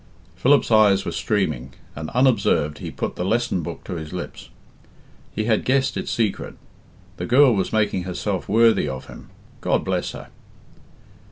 Philip's eyes were streaming, and, unobserved, he put the lesson book to his lips. He had guessed its secret. The girl was making herself worthy of him. God bless, her!